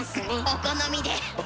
お好みで。